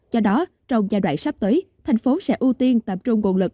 do đó trong giai đoạn sắp tới thành phố sẽ ưu tiên tập trung nguồn lực